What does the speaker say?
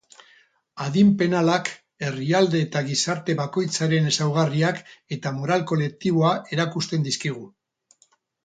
Adin penalak herrialde eta gizarte bakoitzaren ezaugarriak eta moral kolektiboa erakusten dizkigu.